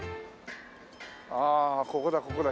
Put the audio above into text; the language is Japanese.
ああここだここだ。